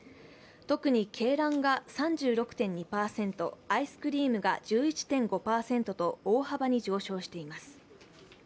特に鶏卵が３６．２％、アイスクリームが１１．５％と大幅に上昇しています。